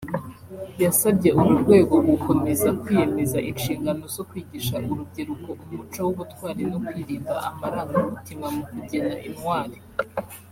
yasabye uru rwego gukomeza kwiyemeza inshingano zo kwigisha urubyiruko umuco w’ ubutwari no kwirinda amarangamutima mu kugena intwari